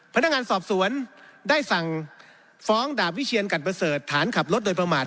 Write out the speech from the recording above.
พนักงานสอบสวนได้สั่งฟ้องดาบวิเชียนกันเบอร์เสิร์ต